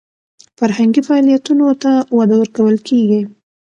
فرهنګي فعالیتونو ته وده ورکول کیږي.